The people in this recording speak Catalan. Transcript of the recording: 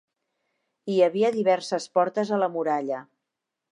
Hi havia diverses portes a la muralla.